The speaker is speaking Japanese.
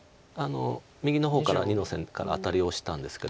右の方から２の線からアタリをしたんですけど。